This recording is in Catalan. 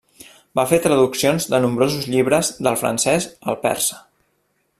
Va fer traduccions de nombrosos llibres del francès al persa.